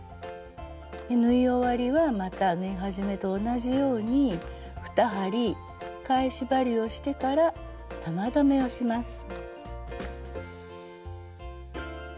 縫い終わりはまた縫い始めと同じように２針返し針をしてから玉留めをします。